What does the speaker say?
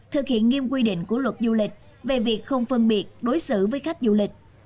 thực hiện nghiêm quy định của luật du lịch về việc không phân biệt đối xử với khách du lịch